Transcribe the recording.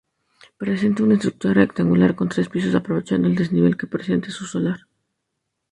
Presenta una estructura rectangular con tres pisos aprovechando el desnivel que presenta su solar.